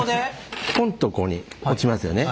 ポンッとここに落ちますよね。